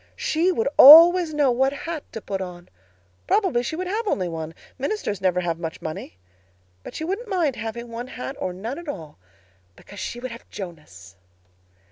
She would always know what hat to put on. Probably she would have only one. Ministers never have much money. But she wouldn't mind having one hat or none at all, because she would have Jonas.